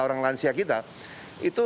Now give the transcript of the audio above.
orang orang usia kita itu